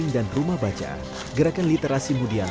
mai lama sekarang rajin berdandan